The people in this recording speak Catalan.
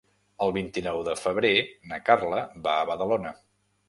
El vint-i-nou de febrer na Carla va a Badalona.